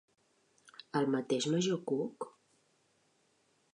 El mateix major Cook?